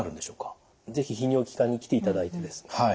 是非泌尿器科に来ていただいてですね